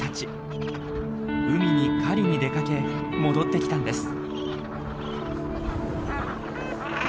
海に狩りに出かけ戻ってきたんです。